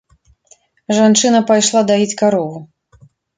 Жанчына пайшла даіць карову.